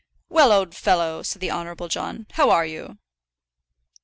"Well, old fellow," said the Honourable John, "how are you?"